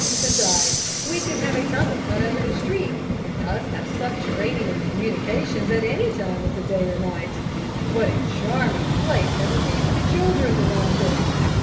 Besides, we can have a tunnel cut under the street and thus have subterranean communication at any time of the day or night and what a charming place that would be for the children to romp in!